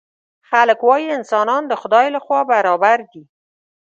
خلک وايي انسانان د خدای له خوا برابر دي.